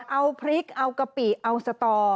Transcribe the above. เอาพริกเอากะปิเอาสตอ